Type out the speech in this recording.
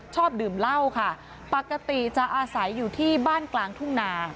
ชอบดื่มเหล้าค่ะปกติจะอาศัยอยู่ที่บ้านกลางทุ่งนา